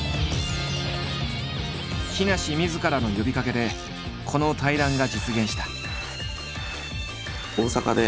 木梨みずからの呼びかけでこの対談が実現した。